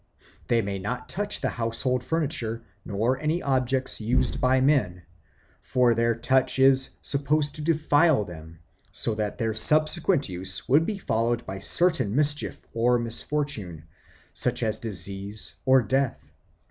They may not touch the household furniture nor any objects used by men; for their touch "is supposed to defile them, so that their subsequent use would be followed by certain mischief or misfortune," such as disease or death.